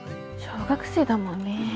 小学生だもんね